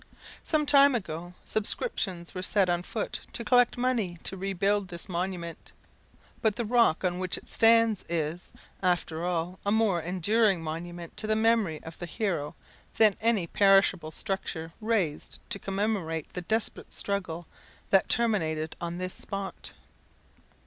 Some time ago subscriptions were set on foot to collect money to rebuild this monument; but the rock on which it stands is, after all, a more enduring monument to the memory of the hero than any perishable structure raised to commemorate the desperate struggle that terminated on this spot.